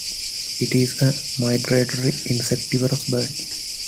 It is a migratory insectivorous bird.